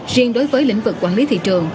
riêng đối với lĩnh vực quản lý thị trường